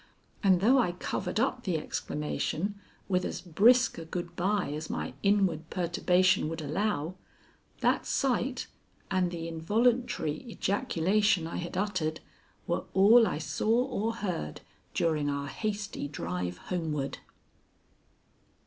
And though I covered up the exclamation with as brisk a good by as my inward perturbation would allow, that sight and the involuntary ejaculation I had uttered, were all I saw or heard during our hasty drive homeward.